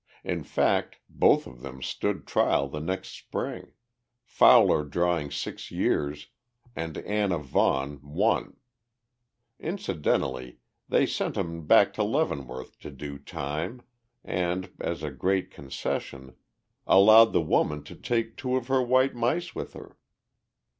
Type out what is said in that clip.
In fact, both of them stood trial the next spring Fowler drawing six years and Anna Vaughan one. Incidentally, they sent 'em back to Leavenworth to do time and, as a great concession, allowed the woman to take two of her white mice with her.